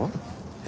え？